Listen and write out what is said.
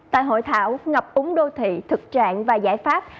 tại hội thảo ngập úng đô thị thực trạng và giải pháp